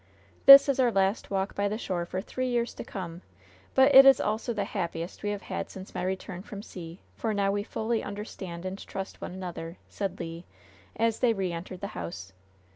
"This is our last walk by the shore for three years to come; but it is also the happiest we have had since my return from sea; for now we fully understand and trust one another," said Le, as they re entered the house.